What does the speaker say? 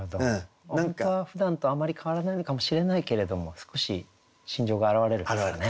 本当はふだんとあまり変わらないのかもしれないけれども少し心情が表れるんですかね。